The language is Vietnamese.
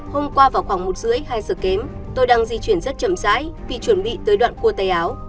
hôm qua vào khoảng một h ba mươi hai h kém tôi đang di chuyển rất chậm rãi vì chuẩn bị tới đoạn cua tay áo